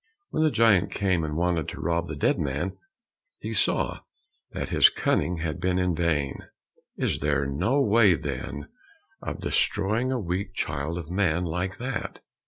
When the giant came and wanted to rob the dead man, he saw that his cunning had been in vain. "Is there no way, then, of destroying a weak child of man like that?"